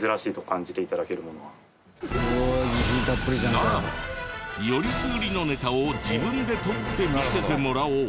ならばよりすぐりのネタを自分で撮って見せてもらおう！